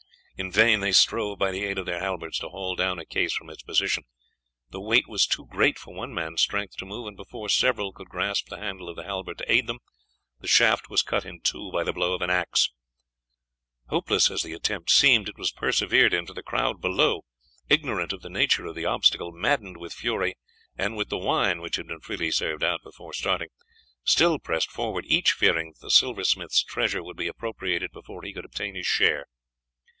In vain they strove by the aid of the halberts to haul down a case from its position, the weight was too great for one man's strength to move, and before several could grasp the handle of the halbert to aid them, the shaft was cut in two by the blow of an axe. Hopeless as the attempt seemed, it was persevered in, for the crowd below, ignorant of the nature of the obstacle, maddened with fury and with the wine which had been freely served out before starting, still pressed forward, each fearing that the silversmith's treasures would be appropriated before he could obtain his share.